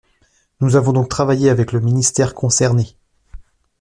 Nous avons donc travaillé avec le ministère concerné.